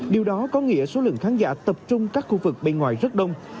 điều đó có nghĩa số lượng khán giả tập trung các khu vực bên ngoài rất đông